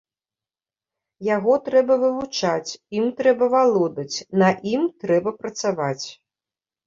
Яго трэба вывучаць, ім трэба валодаць, на ім трэба працаваць.